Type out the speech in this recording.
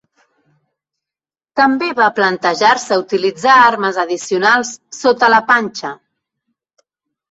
També va planejar-se utilitzar armes addicionals sota la panxa.